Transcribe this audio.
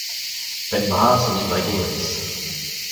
Penn bras un embregerezh.